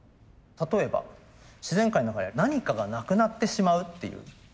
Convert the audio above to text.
例えば自然界の中で何かがなくなってしまうっていうケースがあります。